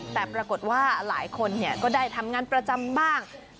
แต่ปรากฏว่าหลายคนก็ได้ทำงานประจำบ้าง